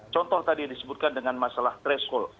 contoh tadi yang disebutkan dengan masalah threshold